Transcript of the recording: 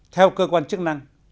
theo cơ quan chức năng